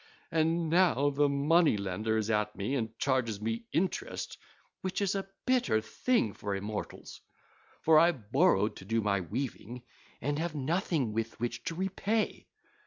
And now the money lender is at me and charges me interest which is a bitter thing for immortals. For I borrowed to do my weaving, and have nothing with which to repay.